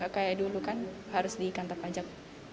kayak dulu kan harus di kantor pajak